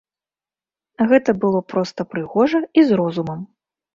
Гэта было проста прыгожа і з розумам.